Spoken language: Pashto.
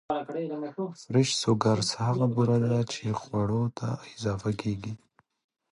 Fresh sugars هغه بوره ده چې خواړو ته اضافه کېږي.